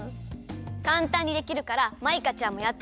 かんたんにできるからマイカちゃんもやってみて！